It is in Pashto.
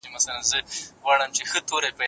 قانون بايد پر ټولو یو شان وي.